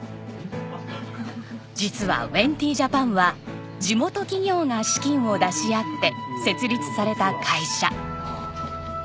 実はウェンティ・ジャパンは地元企業が資金を出し合って設立された会社。